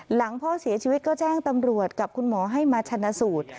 หลังพ่อเสียชีวิตก็แจ้งตำรวจกับคุณหมอให้มาชนะสูตร